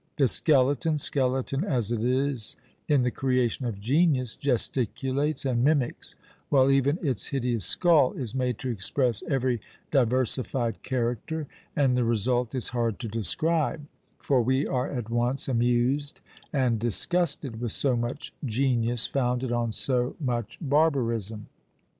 The skeleton, skeleton as it is, in the creation of genius, gesticulates and mimics, while even its hideous skull is made to express every diversified character, and the result is hard to describe; for we are at once amused and disgusted with so much genius founded on so much barbarism.